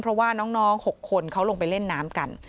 เพราะว่าน้อง๖คนเขาลงไปเล่นน้ำกัน